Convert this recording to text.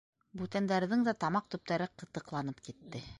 Бүтәндәрҙең дә тамаҡ төптәре ҡытыҡланып китте.